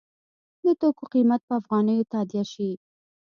د توکو قیمت په افغانیو تادیه شي.